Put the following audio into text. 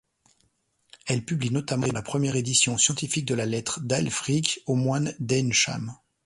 Elle publie notamment la première édition scientifique de la lettre d'Ælfric aux moines d'Eynsham.